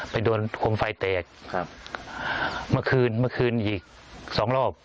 ไปโดนโคมไฟแตกครับเมื่อคืนเมื่อคืนอีกสองรอบ